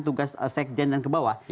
tugas sekjen dan kebawah